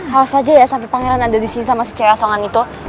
hals aja ya sampai pangeran ada di sini sama secewasongan itu